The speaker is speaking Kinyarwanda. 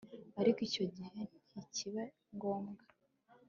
ariko icyo gihe ntikiba ngombwa